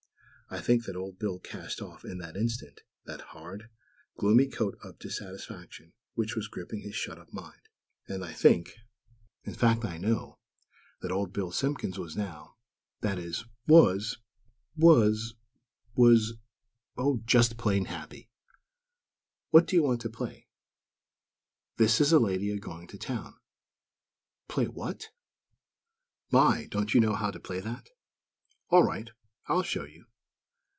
I think that Old Bill cast off, in that instant, that hard, gloomy coating of dissatisfaction which was gripping his shut up mind. And I think, in fact, I know, that Old Bill Simpkins was now, that is, was was was, oh, just plain happy! "What do you want to play?" "This is a lady, a going to town." "Play what?" "My!! Don't you know how to play that? All right; I'll show you.